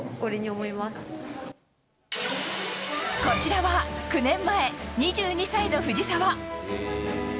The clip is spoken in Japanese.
こちらは、９年前２２歳の藤澤。